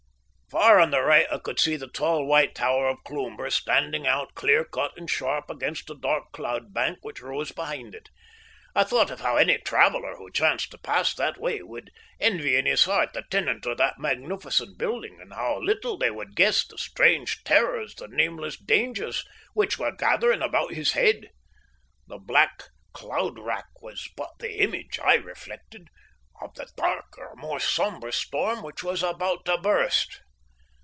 Far on the right I could see the tall, white tower of Cloomber standing out clear cut and sharp against a dark cloud bank which rose behind it. I thought how any traveller who chanced to pass that way would envy in his heart the tenant of that magnificent building, and how little they would guess the strange terrors, the nameless dangers, which were gathering about his head. The black cloud wrack was but the image, I reflected, of the darker, more sombre storm which was about to burst.